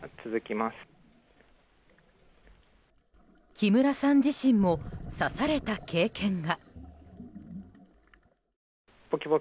木村さん自身も刺された経験が。